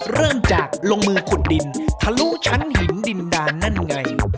เริ่มจากลงมือขุดดินทะลุชั้นหินดินดานนั่นไง